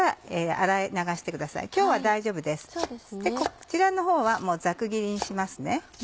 こちらのほうはもうざく切りにしますね。